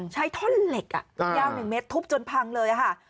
ใช้ท่อนเหล็กยาวหนึ่งเม็ดทุบจนพังเลยค่ะ